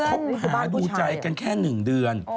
คบหาดูใจกันแค่๑เดือน